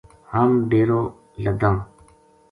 ہم ڈیرو لَداں